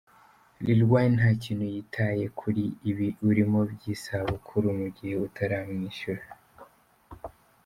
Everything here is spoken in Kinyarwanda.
Lil Wayne nta kintu yitaye kuri ibi urimo by’isabukuru mu gihe utaramwishyura”.